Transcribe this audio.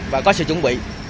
và có sự chuẩn bị